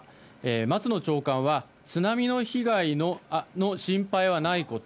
松野長官は津波の被害の心配はないこと。